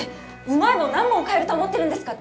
うまい棒何本買えると思ってるんですか？